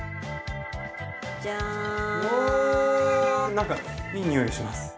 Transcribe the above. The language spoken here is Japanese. なんかいい匂いがします。